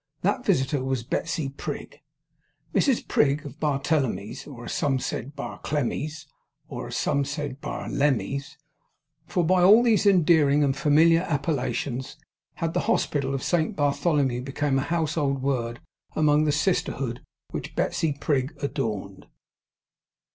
That visitor was Betsey Prig; Mrs Prig, of Bartlemy's; or as some said Barklemy's, or as some said Bardlemy's; for by all these endearing and familiar appellations, had the hospital of Saint Bartholomew become a household word among the sisterhood which Betsey Prig adorned.